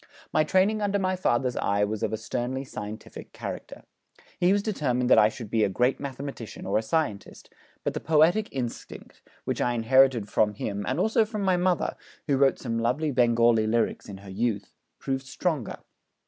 My training under my father's eye was of a sternly scientific character. He was determined that I should be a great mathematician or a scientist, but the poetic instinct, which I inherited from him and also from my mother (who wrote some lovely Bengali lyrics in her youth), proved stronger.